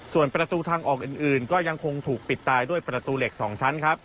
ส่วนประตูทางออกอื่นก็ยังคงถูกปิดตายด้วยประตูเหล็ก๒ชั้นครับ